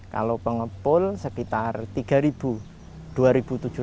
kalau pengepul sekitar rp tiga rp dua tujuh ratus